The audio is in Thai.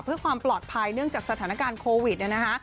เพื่อความปลอดภัยเนื่องจากสถานการณ์โควิดเนี่ยนะคะ